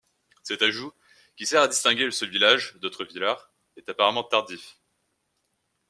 Cet ajout, qui sert à distinguer ce village d'autres Villars, est apparemment tardif.